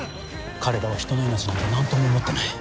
「彼らは人の命なんて何とも思ってない」